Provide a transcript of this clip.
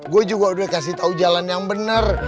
gue juga udah kasih tahu jalan yang bener